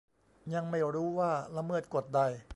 ยังไม่รู้ว่าละเมิดกฎใด